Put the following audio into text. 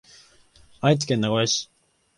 愛知県名古屋市